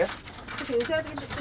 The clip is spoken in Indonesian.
dari segi usia gitu